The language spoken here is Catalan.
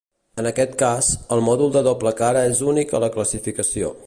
En aquest cas, el mòdul de doble cara és únic a la classificació.